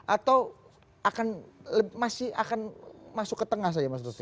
atau masih akan masuk ke tengah saja mas dosis